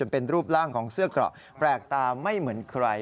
เป็นรูปร่างของเสื้อเกราะแปลกตาไม่เหมือนใคร